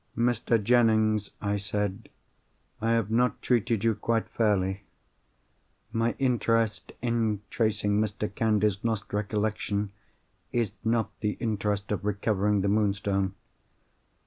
"Mr. Jennings," I said. "I have not treated you quite fairly. My interest in tracing Mr. Candy's lost recollection is not the interest of recovering the Moonstone.